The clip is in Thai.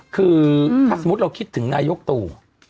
คือถ้าสมมุติเราคิดถึงนายกตู่